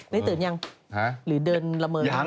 ตื่นหรือยังหรือเดินละเมิง